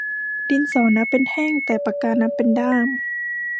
ดินสอนับเป็นแท่ง แต่ปากกานับเป็นด้าม